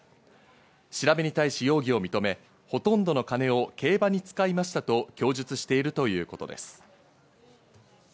調べに対し容疑を認め、ほとんどの金を競馬に使いましたと供述しているということです。